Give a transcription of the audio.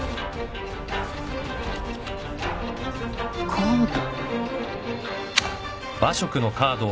カード？